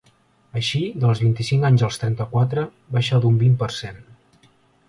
Així, dels vint-i-cinc anys als trenta-quatre, baixa d’un vint per cent.